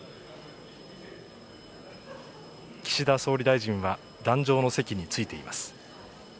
岸田総理大臣は、壇上の席に着いています。